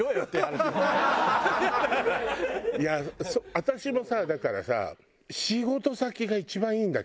いや私もさだからさ。